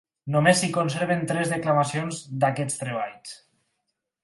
Només s'hi conserven tres declamacions d'aquests treballs.